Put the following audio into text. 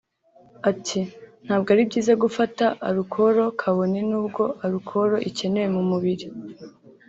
Ati “Ntabwo ari byiza gufata arukoro kabone nubwo arukoro ikenewe mu mubiri